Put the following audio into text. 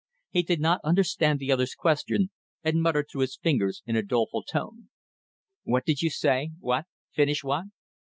He did not understand the other's question, and muttered through his fingers in a doleful tone "What did you say? What? Finish what?"